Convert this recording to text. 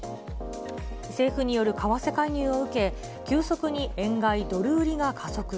政府による為替介入を受け、急速に円買いドル売りが加速。